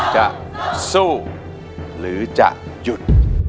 จะสู้หรือจะหยุด